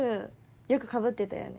よくかぶってたよね。